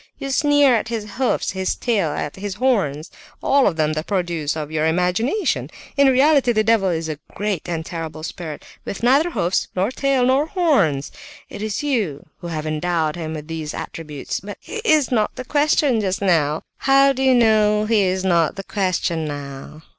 You sneer at his hoofs, at his tail, at his horns—all of them the produce of your imagination! In reality the devil is a great and terrible spirit, with neither hoofs, nor tail, nor horns; it is you who have endowed him with these attributes! But... he is not the question just now!" "How do you know he is not the question now?"